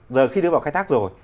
giờ khi đưa vào khai thác rồi